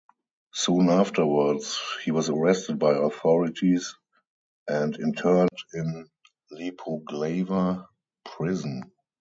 Soon afterwards he was arrested by authorities and interned in Lepoglava prison.